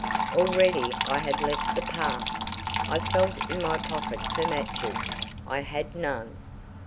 Already I had left the path. I felt in my pocket for matches. I had none.